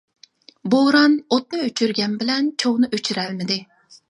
بوران ئوتنى ئۆچۈرگەن بىلەن چوغنى ئۆچۈرەلمىدى.